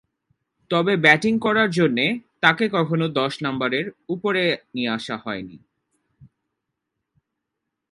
তবে, ব্যাটিং করার জন্যে তাকে কখনো দশ নম্বরের উপরে নিয়ে আসা হয়নি।